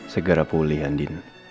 segera pulih andin